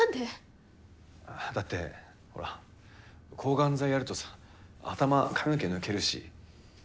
だって、ほら、抗がん剤やるとさ、頭、髪の毛抜けるし。